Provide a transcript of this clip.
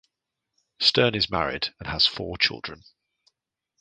Stern is married and has four children.